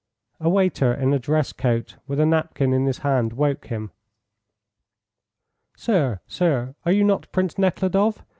A waiter in a dress coat with a napkin in his hand woke him. "Sir, sir, are you not Prince Nekhludoff?